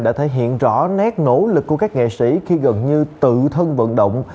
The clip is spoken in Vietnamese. đã thể hiện rõ nét nỗ lực của các nghệ sĩ khi gần như tự thân vận động